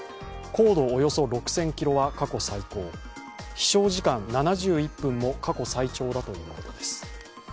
高度およそ６０００ｋｍは過去最高、飛翔時間７１分も過去最長だということです。